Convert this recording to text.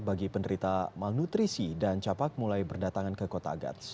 bagi penderita malnutrisi dan capak mulai berdatangan ke kota gats